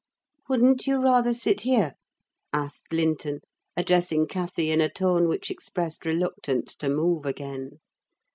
"Wouldn't you rather sit here?" asked Linton, addressing Cathy in a tone which expressed reluctance to move again.